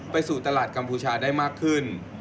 สู่ตลาดกัมพูชาได้มากขึ้น